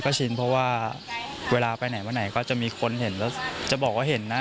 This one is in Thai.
ก็ชินเพราะว่าเวลาไปไหนมาไหนก็จะมีคนเห็นแล้วจะบอกว่าเห็นนะ